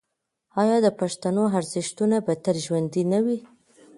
آیا د پښتنو ارزښتونه به تل ژوندي نه وي؟